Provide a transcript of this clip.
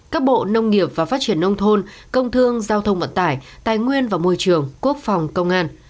các bộ nông nghiệp và phát triển nông thôn công thương giao thông vận tải tài nguyên và môi trường quốc phòng công an